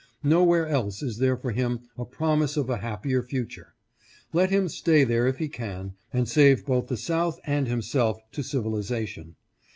Nowhere else is there for him a promise of a happier future. Let him stay there if he can, and save both the South and himself to civilization.